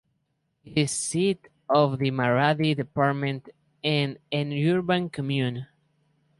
It is seat of the Maradi Department and an Urban Commune.